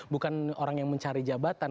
bukan orang yang mencari jabatan